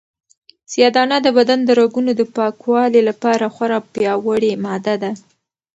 سیاه دانه د بدن د رګونو د پاکوالي لپاره خورا پیاوړې ماده ده.